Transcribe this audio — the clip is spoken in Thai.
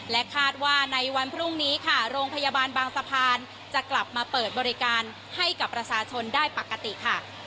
คาดว่าในวันพรุ่งนี้ค่ะโรงพยาบาลบางสะพานจะกลับมาเปิดบริการให้กับประชาชนได้ปกติค่ะ